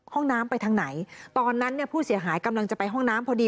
ห้องน้ำไปทางไหนตอนนั้นเนี่ยผู้เสียหายกำลังจะไปห้องน้ำพอดี